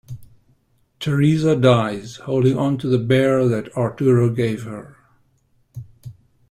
Teresa dies holding on to the bear that Arturo gave her.